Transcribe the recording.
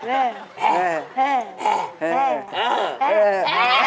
เออ